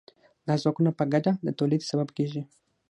دا ځواکونه په ګډه د تولید سبب کیږي.